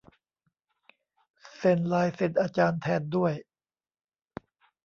เซ็นลายเซ็นอาจารย์แทนด้วย !